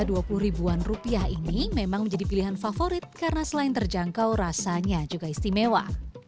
harga rp dua puluh ribuan rupiah ini memang menjadi pilihan favorit karena selain terjangkau rasanya juga istimewa